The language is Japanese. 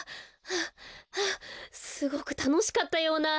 すごくたのしかったような。